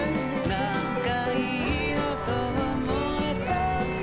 なんかいいなと思えたんだ